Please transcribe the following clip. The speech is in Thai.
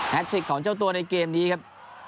ทริกของเจ้าตัวในเกมนี้ครับ